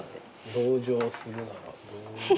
「同情するなら」